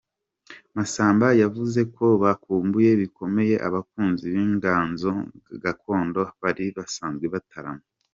Masamba yavuze ko bakumbuye bikomeye abakunzi b’inganzo gakondo bari basanzwe bataramana.